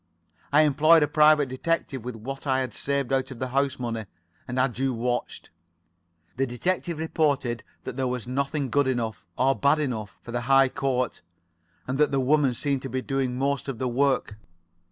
I employed a private detective with what I had saved out of the house money, and had you watched. The detective reported that there was nothing good enough—or bad enough——for the High Court, and that the woman seemed to be doing most of the work.